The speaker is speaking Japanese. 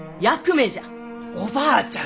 おばあちゃん！